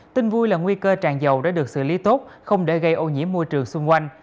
tin vui là nguy cơ tràn dầu đã được xử lý tốt không để gây ô nhiễm môi trường xung quanh